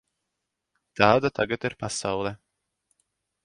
Tāda tagad ir pasaule.